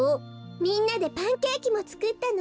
みんなでパンケーキもつくったの。